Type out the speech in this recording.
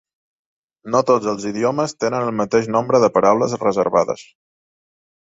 No tots els idiomes tenen el mateix nombre de paraules reservades.